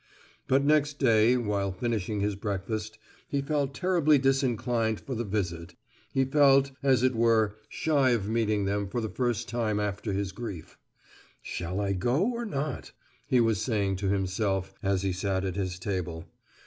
But next day, while finishing his breakfast, he felt terribly disinclined for the visit; he felt, as it were, shy of meeting them for the first time after his grief. "Shall I go or not?" he was saying to himself, as he sat at his table.